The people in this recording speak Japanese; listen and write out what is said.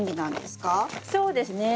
そうですね。